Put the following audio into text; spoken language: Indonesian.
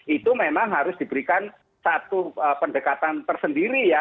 itu memang harus diberikan satu pendekatan tersendiri ya